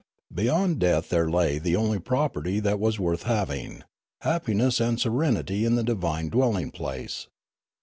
Beyond death there lay the only property that was worth having, happiness and serenity in the divine dwelling place.